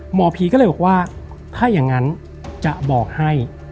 หมอผีก็เลยบอกว่าถ้าอย่างนั้นจะบอกให้